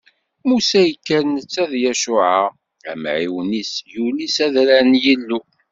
Musa yekker netta d Yacuɛa, amɛiwen-is, yuli s adrar n Yillu.